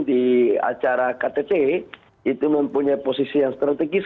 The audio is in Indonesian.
di acara ktt itu mempunyai posisi yang strategis